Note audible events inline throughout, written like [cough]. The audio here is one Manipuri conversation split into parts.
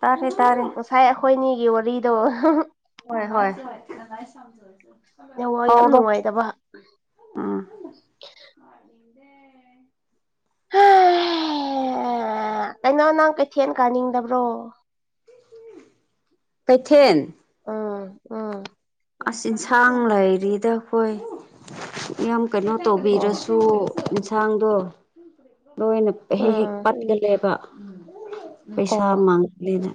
ꯇꯥꯔꯦ ꯇꯥꯔꯦ ꯉꯁꯥꯏ ꯑꯩꯈꯣꯏꯅꯤꯒꯤ ꯋꯥꯔꯤꯗꯣ ꯍꯣꯏ ꯍꯣꯏ ꯍ ꯅꯋꯥ ꯌꯥꯝ ꯅꯨꯡꯉꯥꯏꯇꯕ ꯎꯝ ꯀꯩꯅꯣ ꯅꯪ ꯀꯩꯊꯦꯜ ꯀꯥꯅꯤꯡꯗꯕ꯭ꯔꯣ ꯀꯩꯊꯦꯜ ꯎꯝ ꯎꯝ ꯏꯟꯁꯥꯡ ꯂꯩꯔꯤꯗ ꯑꯩꯈꯣꯏ ꯌꯥꯝ ꯀꯩꯅꯣ ꯑꯣ ꯇꯧꯕꯤꯔꯁꯨ ꯌꯦꯟꯁꯥꯡꯗꯣ ꯂꯣꯏꯅ ꯍꯦꯛ ꯍꯦꯛ ꯎꯝ ꯄꯟꯒꯂꯦꯕ ꯄꯩꯁꯥ ꯑꯣ ꯃꯥꯡꯒꯂꯅ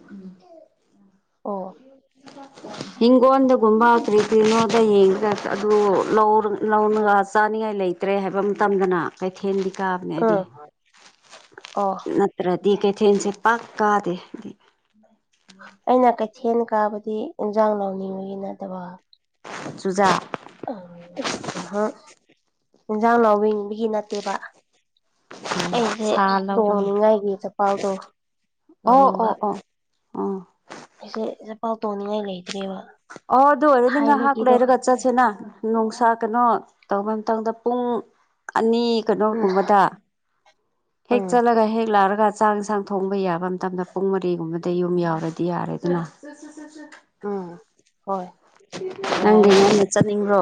ꯑꯣ ꯑ ꯍꯤꯡꯒꯣꯜꯗꯒꯨꯝꯕ ꯀ꯭ꯔꯤ ꯀꯔꯤꯅꯣꯗ ꯌꯦꯡꯉꯒ ꯑꯗꯨ ꯂꯧ ꯆꯥꯅꯤꯡꯉꯥꯏ ꯂꯩꯇꯦ ꯇ꯭ꯔꯦ ꯍꯥꯏꯕ ꯃꯇꯝꯗꯅ ꯀꯩꯊꯦꯜꯗꯤ ꯀꯥꯕꯅꯦ ꯎꯝ ꯍꯥꯏꯗꯤ ꯑꯣ ꯇ ꯀꯦ ꯊꯅꯁ ꯄꯥꯛꯀꯗꯤꯦ ꯑꯩꯅ ꯀꯩꯊꯦꯜ ꯀꯥꯕꯗꯤ ꯏꯟꯁꯥꯡ ꯂ ꯂꯧꯅꯤꯡꯕꯒꯤ ꯅꯠꯇꯕ ꯆꯨꯖꯥꯛ ꯎ ꯎꯝ ꯌꯦꯟꯁꯥꯡ ꯂꯎꯕꯤꯡꯕꯒꯤ ꯅꯠꯇꯦꯕ ꯑꯩꯁꯦ ꯁꯥ ꯂꯧꯔꯒ ꯇꯣꯡꯅꯤꯡꯉꯥꯏꯒꯤ ꯆꯄꯥꯛꯜꯗꯣ ꯂꯧꯅꯤꯡꯕ ꯎꯥ ꯑꯩꯁꯦꯦ ꯄꯥꯛ ꯇꯣꯡꯅꯤꯡꯉꯥꯏ ꯂꯩꯇ꯭ꯔꯦꯕ ꯑꯣ ꯑꯗꯨ ꯑꯣꯏꯔ ꯂꯤ ꯍꯥꯥꯛꯂ ꯊꯥꯏꯅꯒꯤꯗꯣ ꯏꯔꯒ ꯆꯠꯁꯤꯅ ꯅꯨꯡꯁꯥ ꯀꯩꯅꯣ ꯇꯧꯧꯕ ꯃꯇꯝꯗ ꯄꯨꯡ ꯑꯅꯤ ꯎꯝ ꯀꯩꯅꯣꯒꯨꯝꯕꯗ ꯍꯦꯛ ꯎꯝ ꯆꯠꯂꯒ ꯍꯦꯛ ꯂꯥꯛꯑꯒ ꯆꯥꯛ ꯌꯦꯟꯁꯥꯡ ꯊꯣꯡꯕ ꯌꯥꯕ ꯃꯇꯝꯗ ꯄꯨꯡ ꯃꯔꯤꯒꯨꯝꯕꯗ ꯌꯨꯝ ꯌꯥꯎꯔꯗꯤ ꯌꯥꯔꯦ ꯑꯗꯨꯅ ꯑ ꯅꯪꯗꯤ ꯅꯩꯅ ꯆꯠꯅꯤꯡꯕ꯭ꯔꯣ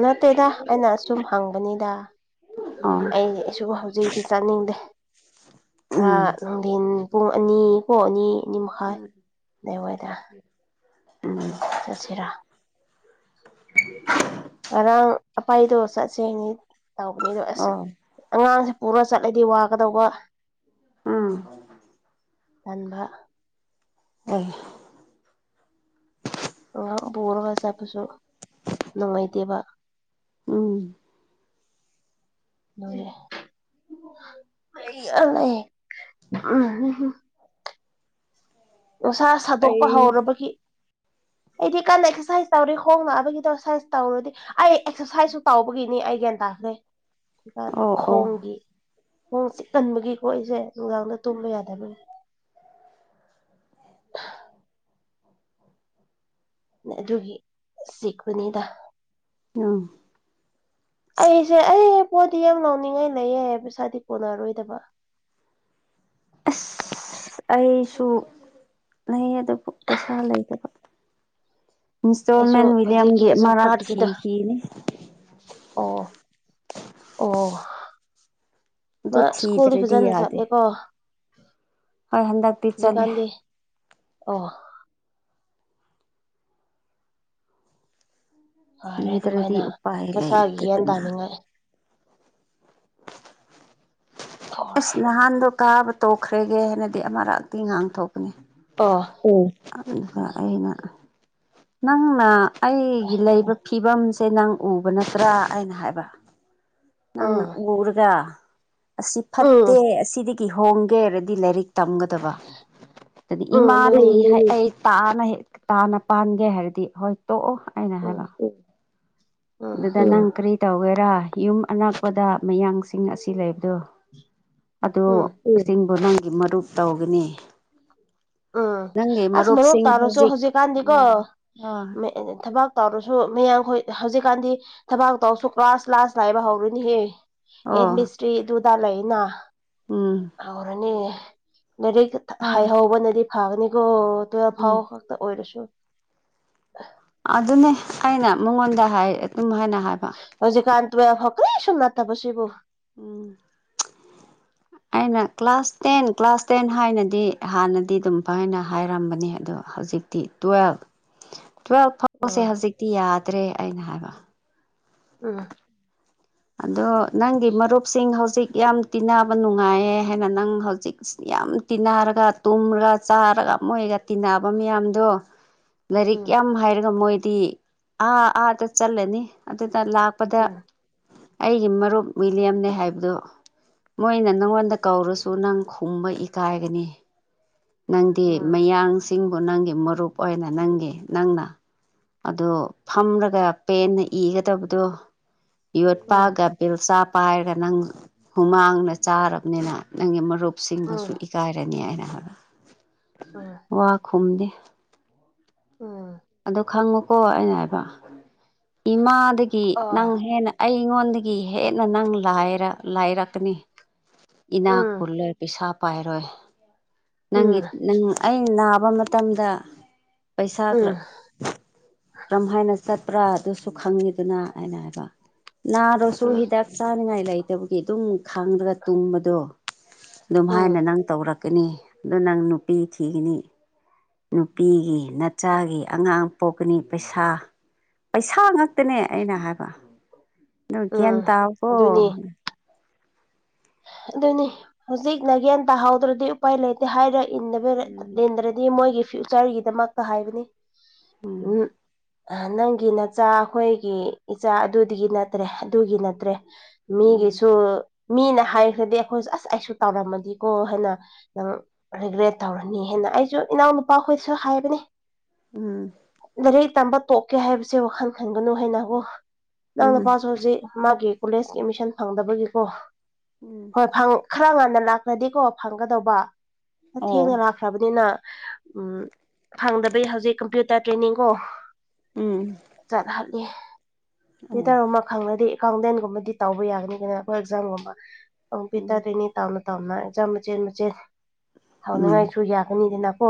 ꯅꯠꯇꯦꯗ ꯑꯩꯅ ꯑꯁꯨꯝ ꯍꯪꯕꯅꯤꯗ ꯑꯣ ꯑꯩꯁꯨ ꯍꯧꯖꯤꯛ ꯛꯇꯤ ꯆꯥꯅꯤꯡꯗꯦ ꯈꯔ ꯎꯝ ꯅꯨꯡꯊꯤꯟ ꯄꯨꯡ ꯑꯅꯤ ꯀꯣ ꯑꯅꯤ ꯑꯅꯤ ꯃꯈꯥꯏ ꯑꯗꯨꯏ ꯋꯥꯏꯗ ꯎꯝ ꯆꯠꯁꯤꯔꯥ ꯉꯔꯥꯡ ꯑꯄꯥꯏꯗꯣ ꯆꯠꯁꯦ ꯍꯥꯏꯅꯤ ꯇꯧꯕꯅꯤꯗꯣ ꯑꯁ ꯑꯣ ꯑꯉꯥꯡꯁꯦ ꯄꯨꯔꯒ ꯆꯠꯂꯗꯤ ꯋꯥꯒꯗꯧꯕ ꯎꯝ ꯑꯟꯥꯟꯕ ꯑꯣ ꯑꯉꯥꯡ ꯄꯨꯔꯒ ꯆꯠꯄꯁꯨ ꯅꯨꯡꯉꯥꯏꯇꯦꯕ ꯎꯝ ꯎꯝ ꯃꯁꯥ ꯁꯥꯗꯣꯛꯄ ꯑꯩ ꯍꯧꯔꯕꯒꯤ ꯑꯩꯗꯤ ꯀꯟꯅ ꯑꯦꯛꯁꯔꯁꯥꯏꯖ ꯇꯧꯔꯤ ꯍꯣꯡꯅꯛꯅꯕꯒꯤꯗꯣꯛꯁꯔꯁꯥꯏꯁ ꯇꯧꯔꯨꯔꯗꯤ ꯑꯩ ꯑꯦꯛꯁꯔꯁꯥꯏꯖꯁꯨ ꯇꯥꯎꯧꯕꯒꯤꯅꯤ ꯑꯩ ꯒ꯭ꯌꯥꯟ ꯇꯥꯈ꯭ꯔꯦ ꯍꯧꯖꯤꯀꯥꯟ ꯑꯣ ꯑꯣ ꯈꯣꯡꯒꯤ ꯈꯣꯡ ꯆꯤꯛ ꯀꯟꯕꯒꯤꯀꯣ ꯑꯩꯁꯦ ꯅꯨꯡꯗꯥꯡꯗ ꯇꯨꯝꯕ ꯌꯥꯗꯕꯅꯤ [unintelligible] ꯑꯗꯨꯒꯤ ꯆꯤꯄꯨꯅꯤꯗ ꯑ ꯑꯩꯁꯦ ꯑꯩ ꯄꯣꯠꯇꯗꯤ ꯌꯥꯝ ꯂꯥꯎꯅꯤꯡꯉꯥꯏ ꯂꯩꯌꯦ ꯍꯥꯏ ꯄꯩꯁꯥꯗꯤ ꯀꯣꯟꯅꯔꯣꯏꯗꯕ ꯑꯁ ꯑꯩꯁꯨ ꯂꯩ ꯑꯗꯨꯕꯨ ꯄꯩꯁꯥ ꯂꯩꯗꯕ ꯑꯩꯁꯨ ꯏꯟꯁꯇꯣꯜꯃꯦꯟ ꯍꯧꯖꯤꯛꯀꯤ ꯋꯤꯂꯤꯌꯝꯒꯤ ꯖꯣꯕ ꯑꯃꯔꯛ ꯀꯥꯔꯠꯀꯤꯗꯣ ꯊꯤꯈꯤꯅꯤ ꯑꯣ ꯑꯣ ꯑꯗꯨ ꯃꯥ ꯁ꯭ꯀꯨꯜꯗꯤ ꯊꯤꯗ꯭ꯔꯗꯤ ꯐꯖꯅ ꯌꯥꯗꯦ ꯆꯠꯂꯦꯀꯣ ꯍꯣꯏ ꯍꯟꯗꯛꯇꯤ ꯆꯠꯂꯦ ꯖꯤꯀꯥꯟꯗꯤ ꯑꯣ ꯐꯔꯦ ꯊꯤꯗ꯭ꯔꯗꯤ ꯑꯗꯨꯃꯥꯏꯅ ꯎꯄꯥꯏ ꯃꯁꯥꯒꯤ ꯌꯦꯟ ꯂꯩꯇꯗꯅ ꯇꯥꯅꯤꯡꯉꯥꯏ ꯑꯣ ꯑꯁ ꯅꯍꯥꯟꯗꯣ ꯀꯥꯕ ꯇꯣꯛꯈ꯭ꯔꯦꯒꯦ ꯍꯥꯏꯅꯗꯤ ꯑꯃꯔꯛꯇꯤ ꯉꯥꯡꯊꯣꯛꯄꯅꯤ ꯑꯣ ꯑꯣ ꯑꯗꯨꯗ ꯑꯩꯅ ꯅꯪꯅ ꯑꯩꯒꯤ ꯂꯩꯕ ꯐꯤꯕꯝꯁꯦ ꯅꯪ ꯎꯕ ꯅꯠꯇ꯭ꯔꯥ ꯑꯩꯅ ꯍꯥꯏꯕ ꯑꯥ ꯄꯨꯔꯒ ꯑꯁꯤ ꯐꯠꯇꯦ ꯑꯁꯤꯗꯒꯤ ꯍꯣꯡꯒꯦꯔꯗꯤ ꯂꯥꯏꯔꯤꯛ ꯇꯝꯒꯗꯕ ꯑꯗꯨꯗꯤ ꯎꯝ ꯏꯃꯥ ꯑꯗꯨꯅꯤ ꯂꯩ ꯍꯥꯏ ꯇꯥꯅ ꯇꯥꯅ ꯄꯥꯟꯒꯦ ꯍꯥꯏꯔꯗꯤ ꯍꯣꯏ ꯇꯣꯛꯑꯣ ꯑꯩꯅ ꯎꯝ ꯍꯥꯏꯕ ꯎꯝ ꯑꯗꯨꯗ ꯅꯪ ꯀꯔꯤ ꯇꯧꯒꯦꯔꯥ ꯌꯨꯝ ꯑꯅꯥꯛꯄꯗ ꯃꯌꯥꯡꯁꯤꯡ ꯑꯁꯤ ꯂꯩꯕꯗꯣ ꯑꯣ ꯎꯝ ꯏꯁꯤꯡꯕꯨ ꯅꯪꯒꯤ ꯃꯔꯨꯞ ꯇꯧꯒꯅꯤ ꯎꯝ ꯅꯪꯒꯤ ꯑꯁ ꯃꯔꯨꯞ ꯃꯔꯨꯞꯁꯤꯡ ꯇꯥꯔꯁꯨ ꯍꯧꯖꯤꯛ ꯍꯧꯖꯤꯛꯀꯥꯟꯗꯤꯀꯣ ꯑ ꯑꯣ ꯊꯕꯥꯛ ꯇꯧꯔꯁꯨ ꯃꯌꯥꯝꯈꯣꯏ ꯍꯧꯖꯤꯛꯀꯥꯟꯗꯤ ꯊꯕꯛ ꯇꯧꯁꯨ ꯀ꯭ꯂꯥꯁ ꯂꯥꯁ ꯂꯥꯏꯕ ꯍꯧꯔꯨꯅꯤꯍꯦ ꯍꯟ ꯃꯤꯁ꯭ꯔꯤ ꯑꯗꯨꯗꯨꯗ ꯂꯩꯅ ꯎꯝ ꯍꯥꯎꯔꯅꯤ ꯂꯥꯏꯔꯤꯛ ꯍꯣꯏ ꯍꯥꯏꯍꯧꯕꯅꯗꯤ ꯐꯒꯅꯤꯀꯣ ꯇꯨꯋꯦꯜꯐ ꯎꯝ ꯐꯥꯎ ꯑꯣꯏꯔꯁꯨ ꯑꯗꯨꯅꯤ ꯑꯩꯅ ꯃꯉꯣꯟꯗ ꯍꯥꯏ ꯑꯗꯨꯝ ꯍꯥꯏꯅ ꯍꯥꯏ ꯍꯧꯖꯤꯛ ꯀꯥꯟ ꯇꯨꯋ ꯐꯛꯦ ꯁꯨꯝꯝ ꯅ ꯊꯕꯁꯤꯕꯨ ꯎꯝ ꯑꯩꯅ ꯀ꯭ꯂꯥꯁ ꯇꯦꯟ ꯀ꯭ꯂꯥꯁ ꯇꯦꯟ ꯍꯥꯏꯅꯗꯤ ꯍꯥꯟꯅꯗꯤ ꯑꯗꯨꯝ ꯐꯥꯏꯅ [unintelligible] ꯍꯥꯏꯔꯝꯕꯅꯤ ꯑꯗꯣ ꯍꯧꯖꯤꯛ ꯇꯤ ꯇ꯭ꯋꯦꯜ [inaudible] ꯇꯨꯋꯦꯜꯐ ꯐꯥꯎꯁꯦ ꯎꯝ ꯍꯧꯖꯤꯛꯇꯤ ꯌꯥꯗ꯭ꯔꯦ ꯑꯩꯅ ꯍꯥꯏꯕ ꯎꯝ ꯑꯗꯣ ꯅꯪꯒꯤ ꯃꯔꯨꯞꯁꯤꯡ ꯍꯧꯖꯤꯛ ꯌꯥꯝ ꯇꯤꯟꯅꯕ ꯅꯨꯡꯉꯥꯏꯌꯦ ꯍꯥꯏꯅ ꯅꯪ ꯍꯧꯖꯤꯛ ꯌꯥꯝ ꯇꯤꯟꯅꯔꯒ ꯇꯨꯝꯔꯒ ꯆꯥꯔꯒ ꯃꯣꯏꯒ ꯇꯤꯟꯅꯕ ꯃꯌꯥꯝꯗꯣ [inaudible] ꯂꯥꯏꯔꯤꯛ ꯌꯥꯝ ꯍꯥꯏꯔꯒ ꯃꯣꯏꯗꯤ ꯑꯥ ꯑꯥꯗ ꯆꯠꯂꯅꯤ ꯑꯗꯨꯅ ꯂꯥꯛꯄꯗ ꯎꯝ ꯑꯩꯒꯤ ꯃꯔꯨꯞ ꯋꯤꯂꯤꯌꯝꯅꯦ ꯍꯥꯏꯕꯗꯣ ꯃꯣꯏꯅ ꯅꯪꯉꯣꯟꯗ ꯀꯧꯔꯁꯨ ꯅꯪ ꯈꯨꯝꯕ ꯏꯀꯥꯏꯒꯅꯤ ꯅꯪꯗꯤ ꯎꯝ ꯃꯌꯥꯡꯁꯤꯡꯕꯨ ꯅꯪꯒꯤ ꯃꯔꯨꯞ ꯑꯣꯏꯅ ꯅꯪꯒꯤ ꯅꯪꯅ ꯑꯗꯣ ꯐꯝꯂꯒ ꯄꯦꯟꯅ ꯏꯒꯗꯕꯗꯣ ꯌꯣꯠꯄꯥꯒ ꯕꯤꯜꯆꯥ ꯄꯥꯏꯔꯒ ꯅꯪ ꯍꯨꯃꯥꯡꯅ ꯆꯥꯔꯕꯅꯤꯅ ꯅꯪꯒꯤ ꯃꯔꯨꯞ ꯎꯝ ꯁꯤꯡꯒꯁꯨ ꯎꯝ ꯏꯀꯥꯏꯔꯅꯤ ꯍꯥꯏꯅ ꯍꯅ ꯑꯥ ꯋꯥ ꯈꯨꯝꯗꯦ ꯎꯝ ꯑꯗꯨ ꯈꯪꯉꯣꯀꯣ ꯑꯩꯅ ꯍꯥꯏꯕ ꯏꯃꯥꯗꯒꯤ ꯑ ꯅꯪ ꯍꯦꯟꯅ ꯑꯩꯉꯣꯟꯗꯒꯤ ꯍꯦꯟꯅ ꯅꯪ ꯂꯥꯏꯔ ꯂꯥꯏꯔꯛꯀꯅꯤ ꯏꯅꯥꯛ ꯎꯝ ꯈꯨꯜꯂꯣꯏ ꯄꯩꯁꯥ ꯄꯥꯏꯔꯣꯏ ꯎꯝ ꯅꯪꯒꯤ ꯅꯪ ꯑꯩꯅ ꯅꯥꯕ ꯃꯇꯝꯗ ꯄꯩꯁꯥ ꯈꯔ ꯎꯝ ꯀꯔꯝ ꯍꯥꯏꯅ ꯆꯠꯄ꯭ꯔꯥ ꯑꯗꯨꯁꯨ ꯈꯪꯉꯤꯗꯨꯅ ꯑꯩꯅ ꯍꯥꯏꯕ ꯅꯥꯔꯁꯨ ꯎꯝ ꯍꯤꯗꯛ ꯆꯥꯅꯤꯡꯉꯥꯏ ꯂꯩꯇꯕꯒꯤ ꯑꯗꯨꯝ ꯈꯥꯡꯗꯒ ꯇꯨꯝꯕꯗꯣ ꯑꯗꯨꯝ ꯎꯝ ꯍꯥꯏꯅ ꯅꯪ ꯇꯧꯔꯛ ꯆꯀꯅꯤ ꯑꯗꯣ ꯅꯪ ꯅꯨꯄꯤ ꯊꯤꯒꯅꯤ ꯅꯨꯄꯤꯒꯤ ꯅꯆꯥꯒꯤ ꯑꯉꯥꯡ ꯄꯣꯛꯀꯅꯤ ꯄꯩꯁꯥ ꯄꯩꯁꯥ ꯉꯥꯛꯇꯅꯦ ꯑꯩꯅ ꯍꯥꯏꯕ ꯅꯀꯦ ꯎꯝ ꯇ ꯑꯒꯣ ꯑꯗꯨꯅꯤ ꯑꯗꯨꯅꯤ ꯍꯧꯖꯤꯛ ꯅꯥꯒꯦꯟ ꯇꯥꯍꯧꯗ꯭ꯔꯗꯤ ꯎꯄꯥꯏ ꯂꯩꯇꯦ ꯍꯥꯏꯔ ꯎꯝ ꯏꯗ꯭ꯔꯗꯤ ꯃꯣꯏꯒꯤ ꯐ꯭ꯌꯨꯆꯔꯒꯤꯗꯃꯛꯇ ꯍꯥꯏꯕꯅꯤ ꯎꯝ ꯅꯪꯒꯤ ꯅꯆꯥ ꯑꯩꯈꯣꯏꯒꯤ ꯏꯆꯥ ꯑꯗꯨꯗꯒꯤ ꯅꯠꯇ꯭ꯔꯦ ꯑꯗꯨꯒꯤ ꯅꯠꯇ꯭ꯔꯦ ꯎꯝ ꯃꯤꯒꯤꯁꯨ ꯃꯤꯅ ꯍꯥꯏ ꯍꯥꯏꯗꯤ ꯑꯩꯈꯣꯏ ꯑꯁ ꯑꯩꯁꯨ ꯇꯧꯔꯝꯃꯗꯤꯀꯣ ꯍꯥꯏꯅ ꯔꯤꯒ꯭ꯔꯦꯠ ꯇꯧꯔꯅꯤ ꯍꯦꯅ ꯑꯩꯁꯨ ꯏꯅꯥꯎꯅꯨꯄꯥ ꯍꯣꯏꯁꯨ ꯍꯥꯏꯕꯅꯦ ꯎꯝ ꯂꯥꯏꯔꯤꯛ ꯇꯝꯕ ꯇꯣꯛꯀꯦ ꯍꯥꯏꯕꯁꯦ ꯋꯥꯈꯜ ꯈꯟꯒꯅꯨ ꯍꯥꯏꯅꯕꯨꯣ ꯎꯝ ꯅꯅꯥꯎ ꯎꯝ ꯅꯨꯄꯥꯁꯨ ꯍꯧꯖꯤꯛ ꯃꯥꯒꯤ ꯀꯣꯂꯦꯖꯀꯤ ꯑꯦꯠꯃꯤꯁꯟ ꯐꯪꯗꯕꯒꯤꯀꯣ ꯎꯝ ꯍꯣꯏ ꯈꯔ ꯉꯟꯅ ꯂꯥꯛꯈ꯭ꯔꯗꯤꯀꯣ ꯐꯪꯒꯗꯧꯕ ꯈꯔ ꯑꯣ ꯊꯦꯡꯅ ꯂꯥꯛꯈ꯭ꯔꯕꯅꯤꯅ ꯎꯝ ꯐꯪꯗꯕꯩ ꯍꯧꯖꯤꯛ ꯀꯝꯄ꯭ꯌꯨꯇꯔ ꯇ꯭ꯔꯦꯅꯤꯡꯀꯣ ꯎꯝ ꯆꯠꯍꯠꯂꯤ ꯑꯣ ꯈꯪꯅꯗꯤ ꯑꯦꯀꯥꯎꯟꯇꯦꯟꯒꯨꯝꯕꯗꯤ ꯇꯧꯕ ꯌꯥꯒꯅꯤꯘꯅ ꯑꯩꯈꯣꯏ ꯑꯦꯛꯖꯥꯝꯒꯨꯝꯕ ꯎꯝ ꯀꯝꯄ꯭ꯌꯨꯇꯔꯗꯅꯤ ꯇ ꯇꯧꯅ ꯑꯦꯛꯆꯥꯝ ꯃꯆꯦꯠ ꯃꯆꯦꯠ ꯎꯝ ꯊꯥꯅꯤꯡꯉꯥꯏꯁꯨ ꯌꯥꯒꯅꯤꯗꯅꯀꯣ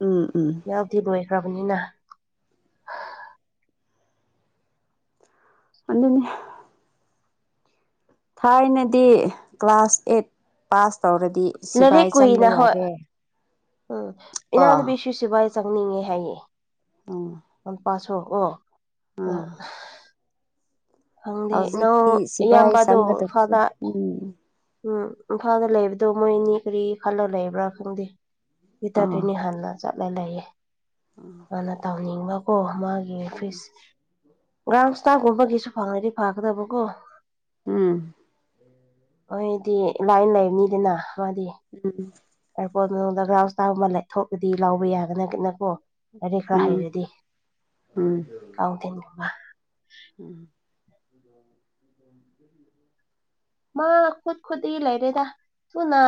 ꯎꯝ ꯎꯝ ꯌꯥꯎꯗꯤ ꯂꯣꯏꯈ꯭ꯔꯕꯅꯤꯅ ꯃꯅꯦ [inaudible] ꯊꯥꯏꯅꯗꯤ ꯀ꯭ꯂꯥꯁ ꯑꯦꯠ ꯄꯥꯁ ꯇꯧꯔꯗꯤ ꯁꯤꯕꯥꯏ ꯂꯥꯏꯔꯤꯛ ꯆꯪꯕ ꯀꯨꯏꯅ ꯍꯣꯏ ꯌꯥꯔꯦ ꯎꯝ ꯀꯣ ꯏꯅꯥꯎꯅꯨꯄꯤ ꯁꯤ ꯁꯤꯚꯥꯏ ꯆꯪꯅꯤꯡꯉꯦ ꯍꯥꯏꯌꯦ ꯎꯝ ꯂꯄꯥꯁꯨ ꯑꯣ ꯑꯣ ꯑꯥ ꯍꯧꯖꯤꯛꯇꯤ ꯅꯪ ꯁꯤꯐꯥꯏ ꯏꯌꯥꯝꯕꯗꯣ ꯆꯪꯒꯗꯕꯁꯦ ꯏꯝꯐꯥꯜꯗ ꯎꯝ ꯎꯝ ꯏꯝꯐꯥꯜꯗ ꯂꯩꯕꯗꯣ ꯃꯣꯏꯅꯤ ꯀꯔꯤ ꯈꯜꯂ ꯂꯩꯕ꯭ꯔꯥ ꯈꯪꯗꯦ ꯑꯗꯨ ꯑꯣ ꯇꯠꯇꯣꯏꯅꯤ ꯍꯥꯟꯅ ꯆꯠꯂ ꯂꯩꯌꯦ ꯍꯣꯏ ꯃꯥꯅ ꯇꯧꯅꯤꯡꯕꯀꯣ ꯃꯥꯒꯤ ꯐꯤꯁ ꯒ꯭ꯔꯥꯎꯟ ꯏꯁꯇꯥꯔꯒꯨꯝꯕꯒꯤꯁꯨ ꯐꯪꯉꯗꯤ ꯐꯒꯗꯕꯀꯣ ꯎꯝ ꯍꯣꯏꯗꯤ ꯂꯥꯏꯅ ꯂꯩꯕꯅꯤꯗꯅ ꯃꯥꯗꯤ ꯎꯝ ꯀꯀꯣ ꯅꯣꯟꯗ ꯒ꯭ꯔꯥꯎꯁ ꯇꯥꯒ ꯑꯃ ꯂꯩꯊꯣꯛꯄꯗꯤ ꯂꯥꯎꯕ ꯌꯥꯒꯅꯤꯒꯤꯅꯀꯣ ꯂꯔꯦꯀꯔꯥ ꯍꯩꯔꯗꯤ ꯀꯥꯡꯥꯎꯊꯤꯟꯒꯨꯝꯕ ꯎꯝ [unintelligible] ꯃꯥ ꯈꯨꯠ ꯈꯨꯗꯤ ꯂꯩꯔꯦꯗ ꯊꯨꯅ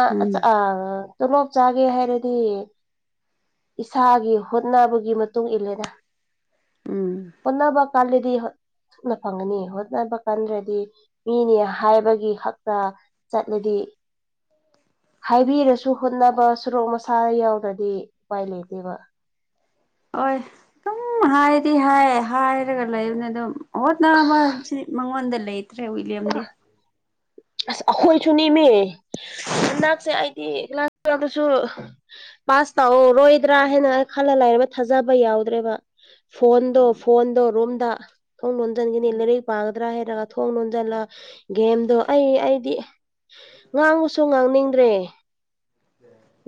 ꯇꯣꯂꯣꯞ ꯆꯥꯒꯦ ꯍꯥꯏꯔꯗꯤ ꯏꯁꯥꯒꯤ ꯍꯣꯠꯅꯕꯒꯤ ꯃꯇꯨꯡ ꯏꯜꯂꯦꯅ ꯍꯣꯠꯅꯕ ꯀꯥꯟꯗꯗꯤꯅ ꯐꯪꯒꯅꯤ ꯍꯣꯠꯅꯕ ꯀꯟꯗ꯭ꯔꯗꯤ ꯃꯤꯅꯤ ꯍꯥꯏꯕꯒꯤ ꯒꯤ ꯍꯛꯇ ꯆꯠꯂꯗꯤ ꯍꯥꯏꯕꯤꯔꯁꯨ ꯍꯣꯠꯅꯕ ꯁꯣꯔꯣꯛ ꯃꯁꯥ ꯌꯥꯎꯗ꯭ꯔꯗꯤ ꯎꯄꯥꯏ ꯂꯩꯇꯦꯕ ꯍꯣꯏ ꯑꯗꯨꯝ ꯍꯥꯏꯗꯤ ꯍꯥꯏ ꯍꯥꯏꯔꯒ ꯂꯩꯕꯅꯦ ꯑꯗꯨꯝ ꯑꯣ ꯅꯥꯕ ꯍꯧ ꯃꯉꯣꯟꯗ ꯂꯩꯇ꯭ꯔꯦ ꯋꯤꯂꯤꯌꯝꯗꯤ ꯑꯁ ꯑꯩꯈꯣꯏꯁꯨ ꯃꯦ ꯍꯟꯗꯛꯁꯦ ꯑꯩꯗꯤꯥꯁ ꯑ ꯑꯗꯨꯁꯨ ꯄꯥꯁ ꯇꯧꯔꯣꯏꯗ꯭ꯔꯥ ꯍꯥꯏꯅ ꯈꯜꯂ ꯂꯩꯥꯏꯔꯒ ꯊꯥꯖꯕ ꯌꯥꯎꯗ꯭ꯔꯦꯕ ꯐꯣꯟꯗꯣ ꯎꯝ ꯐꯣꯟꯗꯣ ꯔꯣꯝꯗ ꯊꯣꯡ ꯂꯣꯟꯁꯤꯟꯈꯤꯅꯤ ꯂꯥꯏꯔꯤꯛ ꯄꯥꯒꯗ꯭ꯔꯥ ꯍꯥꯏꯔꯒ ꯊꯣꯡ ꯂꯣꯟ ꯗꯅ ꯒꯦꯝꯗꯣ ꯑꯩ ꯑꯩꯗꯤ ꯉꯥꯡꯉꯨꯁꯨ ꯉꯥꯡꯅꯤꯡꯗ꯭ꯔꯦ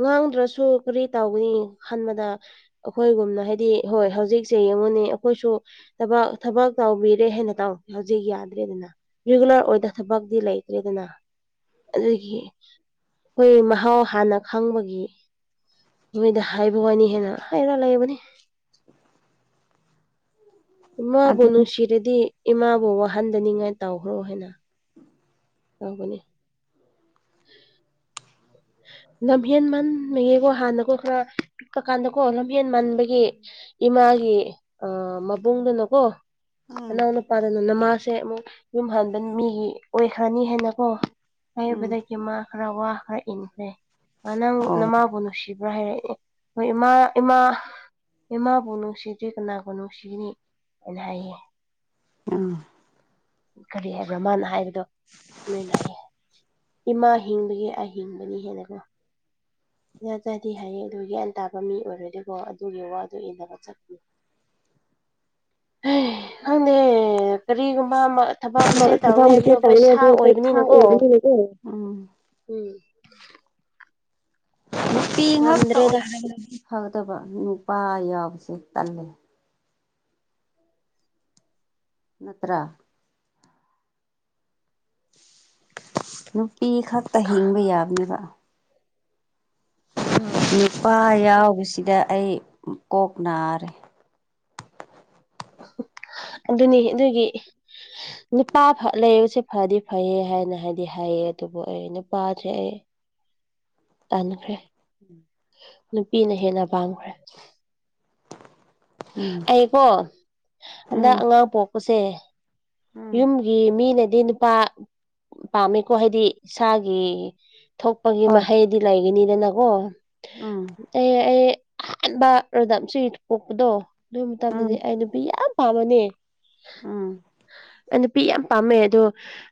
ꯉꯥꯡꯗ꯭ꯔꯁꯨ ꯀꯔꯤ ꯇꯧꯒꯅꯤ ꯍꯟꯕꯗ ꯑꯩꯈꯣꯏꯒꯨꯝꯅ ꯍꯥꯏꯗꯤ ꯍꯣꯏ ꯍꯧꯖꯤꯛꯁꯦ ꯌꯦꯡꯉꯣꯅꯦ ꯑꯩꯈꯣꯏꯁꯨ ꯊꯕ ꯊꯕꯛ ꯇꯧꯕꯤꯔꯦ ꯍꯥꯏꯅ ꯇꯧ ꯍꯧꯖꯤꯛ ꯌꯥꯗ꯭ꯔꯦꯗꯅ ꯔꯤꯒꯨꯂꯔ ꯑꯣꯏꯗ ꯊꯕꯛꯇꯤ ꯂꯩꯈ꯭ꯔꯦꯗꯅ ꯑꯗꯨꯒꯤ ꯑꯩꯈꯣꯏ ꯃꯍꯥꯎ ꯍꯥꯟꯅ ꯈꯪꯕꯒꯤ ꯅꯣꯏꯗ ꯍꯥꯏꯕ ꯋꯥꯅꯤ ꯍꯦꯟꯅ ꯍꯥꯏꯔ ꯂꯩꯕꯅꯤ ꯏꯃꯥꯕꯨ ꯑꯗꯨꯅꯤ ꯅꯨꯡꯁꯤꯔꯗꯤ ꯏꯃꯥꯕꯨ ꯋꯥꯍꯟꯗꯅꯤꯉꯥꯏ ꯇꯧꯈ꯭ꯔꯣ ꯍꯥꯏꯅ ꯇꯒꯅꯤ [unintelligible] ꯂꯝꯍꯦꯟ ꯃꯟꯕꯒꯤꯀꯣ ꯍꯥꯟꯅꯒꯣ ꯈꯔ ꯄꯤꯛꯄ ꯀꯥꯟꯗꯀꯣ ꯂꯝꯍꯦꯟ ꯃꯟꯥꯟꯕꯒꯤ ꯏꯃꯥꯒꯤ ꯃꯕꯨꯡꯗꯨꯅꯀꯣ ꯎꯝ ꯑꯅꯥꯎ ꯅꯨꯄꯥꯗꯅ ꯅꯃꯥꯁꯦ ꯑꯃꯨꯛ ꯌꯨꯝ ꯍꯟꯕ ꯃꯤꯒꯤ ꯑꯣꯏꯈ꯭ꯔꯅꯤ ꯍꯥꯏꯅꯀꯣ ꯎꯝ ꯍꯥꯏꯕꯗꯒꯤ ꯃꯥ ꯈꯔ ꯋꯥ ꯈꯔ ꯏꯟꯈ꯭ꯔꯦ ꯃꯥ ꯅꯪ ꯑꯣ ꯅ ꯃꯥꯕꯨ ꯅꯨꯡꯁꯤꯕ ꯍꯥꯏꯔꯛꯑꯦ ꯍꯣꯏ ꯏꯃꯥ ꯏꯃꯥ ꯏꯃꯥꯕꯨ ꯅꯨꯡꯁꯤꯗ꯭ꯔꯤ ꯀꯅꯥꯕꯨ ꯅꯨꯡꯁꯤꯅꯤ ꯍꯥꯏꯅ ꯍꯥꯏꯌꯦ ꯑꯥ ꯀꯔꯤ ꯍꯥꯏꯕ꯭ꯔꯥ ꯃꯥꯅ ꯍꯥꯏꯕꯗꯣꯅ ꯑꯩꯌꯦ ꯏꯃꯥ ꯍꯤꯡꯕꯒꯤ ꯑꯍꯤꯡꯕꯅꯤ ꯍꯦꯟꯅꯀꯣ ꯌꯥꯖꯗꯤ ꯍꯥꯏꯌꯦ ꯑꯗꯨ ꯒ꯭ꯌꯥꯟꯥꯕ ꯃꯤ ꯑꯣꯏꯔꯣꯏꯗꯣꯏꯀꯣ ꯑꯗꯨꯒꯤ ꯋꯥꯗꯨ ꯏꯟꯅꯕ ꯆꯠꯄꯅꯤ ꯈꯪꯗꯦ ꯀꯔꯤꯒꯨꯝꯕ ꯑꯃ ꯊꯕꯛ ꯑꯃꯁꯦ ꯇꯧꯔꯅꯤ ꯄ ꯁꯥꯥ ꯑꯣꯏꯕꯅꯤꯅꯀꯣ ꯎꯝ ꯎꯝ ꯅꯨꯄꯤ ꯉꯥꯛꯇ ꯉꯝꯗ꯭ꯔꯦꯗ ꯑꯣꯏꯔꯕꯗꯤ ꯐꯗꯕ ꯅꯨꯄꯥ ꯌꯥꯎꯕꯁꯦ ꯇꯜꯂꯦ ꯅꯠꯇ꯭ꯔ ꯅꯨꯄꯤ ꯈꯛꯇ ꯍꯤꯡꯕ ꯌꯥꯕꯅꯦꯕ ꯎꯝ ꯅꯨꯄꯥ ꯌꯥꯎꯕꯁꯤꯗ ꯑꯩ ꯀꯣꯛ ꯅꯥꯔꯦ ꯑꯗꯨꯅꯤ ꯑꯗꯨꯒꯤ ꯅꯨꯄꯥ ꯂꯩꯕꯁꯦ ꯐꯗꯤ ꯐꯩꯌꯦ ꯍꯥꯏꯅ ꯍꯥꯏꯗꯤ ꯍꯥꯏꯌꯦ ꯑꯗꯨꯕꯨ ꯑꯩ ꯅꯨꯄꯥꯁꯦ ꯑꯩ ꯇꯥꯟꯈ꯭ꯔꯦ ꯅꯨꯄꯤꯅ ꯍꯦꯟꯅ ꯄꯥꯡꯈ꯭ꯔꯦ ꯎꯝ ꯑꯩꯀꯣ ꯍꯟꯗꯛ ꯎꯝ ꯑꯉꯥꯡ ꯄꯣꯛꯄꯁꯦ ꯎꯝ ꯌꯨꯝꯒꯤ ꯃꯤꯅꯗꯤ ꯅꯨꯄꯥ ꯄꯥꯝꯃꯤꯀꯣ ꯍꯥꯏꯗꯤ ꯏꯁꯥꯒꯤ ꯊꯣꯛꯄꯒꯤ ꯍꯣꯏ ꯃꯍꯩꯗꯤ ꯂꯩꯒꯅꯤꯗꯅꯀꯣ ꯎꯝ ꯑꯦ ꯑꯩ ꯑꯍꯥꯟꯕ ꯔꯣꯗꯥꯝ ꯁ ꯄꯣꯛꯄꯗꯣ ꯑꯗꯨꯣꯏ ꯎꯝ ꯃꯇꯝꯗꯗꯤ ꯑꯩ ꯅꯨꯄꯤ ꯌꯥꯝ ꯄꯥꯝꯃꯅꯦ ꯎꯝ ꯅꯨꯄꯤ ꯌꯥꯝ ꯄꯥꯝꯃꯦ ꯑꯗꯣ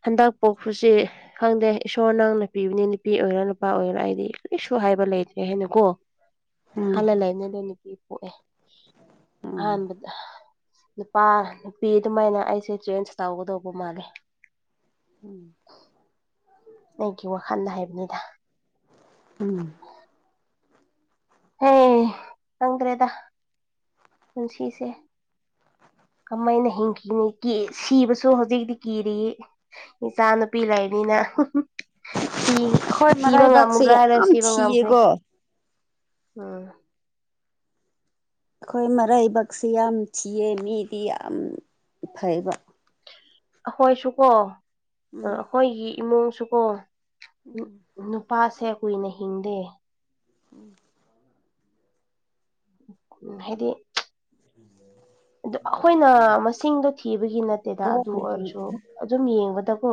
ꯍꯟꯗꯛ ꯄꯣꯛꯄꯁꯦ ꯈꯪꯗꯦ ꯏꯁꯣꯔ ꯅꯪ ꯅꯄꯤꯕꯅꯤ ꯅꯨꯄꯤ ꯑꯣꯏꯒꯦꯔꯥ ꯅꯨꯄꯥ ꯑꯣꯏꯒꯦꯔꯥ ꯑꯩꯗꯤ ꯀꯔꯤꯁꯨ ꯍꯥꯏꯕ ꯂꯩꯇ꯭ꯔꯦ ꯍꯥꯏꯅ ꯀꯣ ꯎꯝ ꯍꯜꯂ ꯂꯩꯅꯦ ꯂꯣꯏꯅꯄꯤ ꯄꯣꯛꯑꯦ ꯎꯝ ꯑꯥꯟꯕꯥꯟꯕꯗ ꯅꯨꯄꯥ ꯅꯨꯄꯤ ꯑꯗꯨꯃꯥꯏꯅ ꯑꯩꯁꯦ ꯆꯦꯟꯖ ꯇꯧꯒꯗꯧꯕ ꯃꯥꯜꯂꯦ ꯎꯝ ꯑꯩꯒꯤ ꯋꯥꯈꯜꯗ ꯍꯥꯏꯕꯅꯤꯗ ꯎꯝ ꯍꯦ ꯈꯪꯗ꯭ꯔꯦꯗ ꯄꯨꯟꯁꯤꯁꯦ ꯀꯃꯥꯏꯅ ꯍꯤꯡꯈꯤꯅꯤ ꯁꯤꯕꯁꯨ ꯍꯧꯖꯤꯛꯇꯤ ꯀꯤꯔꯤ ꯏꯆꯥ ꯅꯨꯨꯄꯤ ꯂꯩꯅꯤꯅ ꯁꯤ ꯑꯩꯈꯣꯏ ꯁꯤꯕ ꯃꯔꯥꯏꯕꯥꯛꯁꯦ ꯉꯝꯃꯨꯗ꯭ꯔꯥꯗ ꯌꯥꯝ ꯁꯤꯕ ꯉꯝꯈ꯭ꯔꯦ ꯊꯤꯌꯦꯀꯣ ꯎꯝ ꯑꯩꯈꯣꯏ ꯃꯔꯩꯕꯛꯁꯦ ꯌꯥꯝ ꯊꯤꯌꯦ ꯃꯤꯗꯤ ꯌꯥꯝ ꯐꯩꯕ ꯑꯩꯈꯣꯏꯁꯨꯀꯣ ꯎꯝ ꯑꯩꯈꯣꯏꯒꯤ ꯏꯃꯨꯡꯁꯨꯀꯣ ꯎꯝ ꯅꯨꯄꯥꯁꯦ ꯀꯨꯏꯅ ꯍꯤꯡꯗꯦ ꯎꯝ ꯎ ꯍꯥꯏꯗꯤ ꯑꯗꯨ ꯑꯩꯈꯣꯏꯅ ꯃꯁꯤꯡꯗꯣ ꯊꯤꯕꯒꯤ ꯅꯠꯇꯦꯗ ꯑꯗꯨ ꯑꯣꯏꯔꯁꯨ ꯑꯗꯨꯝ ꯌꯦꯡꯕꯗꯀꯣ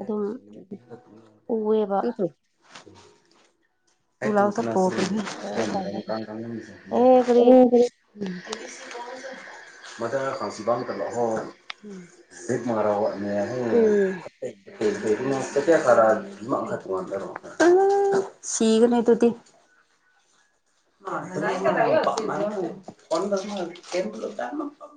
ꯑꯗꯨꯝ ꯊ ꯎꯑꯦꯕ [unintelligible] [unintelligible] ꯄꯣꯕꯈꯤ [unintelligible] ꯑꯗꯨꯃꯥꯏꯅ ꯇꯧꯔꯒ ꯑꯦ ꯀꯔꯤ ꯃꯗ ꯈꯁꯤꯕꯥꯝꯇ ꯂꯥꯛꯑꯣꯍꯣ ꯍꯠ ꯃꯉꯔꯥꯎꯅꯦ [unintelligible] ꯎꯝ ꯀ ꯀꯌꯥ ꯐꯔꯥ ꯑꯗꯨ ꯈ ꯇꯃꯗꯔꯣ ꯁꯤꯒꯅꯦ ꯑꯗꯨꯗꯤ [unintelligible]